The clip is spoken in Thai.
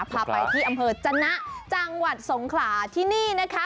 พาไปที่อำเภอจนะจังหวัดสงขลาที่นี่นะคะ